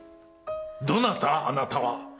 どなたあなたは？